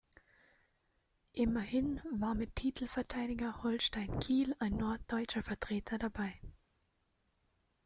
Immerhin war mit Titelverteidiger Holstein Kiel ein norddeutscher Vertreter dabei.